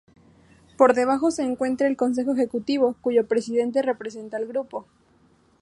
Por debajo se encuentra el Consejo Ejecutivo, cuyo presidente representa al grupo.